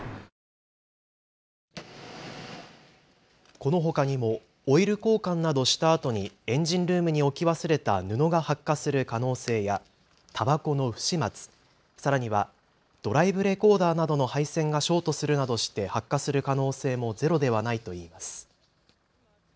このほかにもオイル交換などしたあとにエンジンルームに置き忘れた布が発火する可能性やたばこの不始末、さらにはドライブレコーダーなどの配線がショートするなどして発火する可能性もゼロではないといいます。